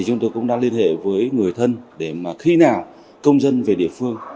chúng tôi cũng đang liên hệ với người thân để khi nào công dân về địa phương